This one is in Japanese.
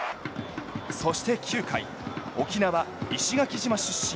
そして、９回沖縄・石垣島出身